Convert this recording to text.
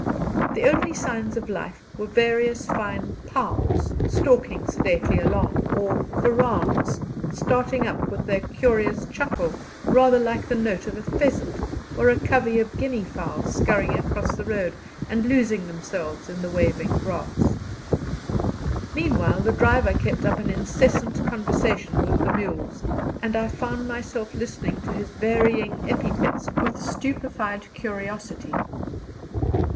The only signs of life were various fine "pows" stalking sedately along, or "korans," starting up with their curious chuckle rather like the note of a pheasant, or a covey of guinea fowl scurrying across the road and losing themselves in the waving grass. Meanwhile the driver kept up an incessant conversation with the mules, and I found myself listening to his varying epithets with stupefied curiosity.